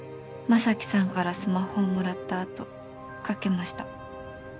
将貴さんからスマホをもらったあとかけました。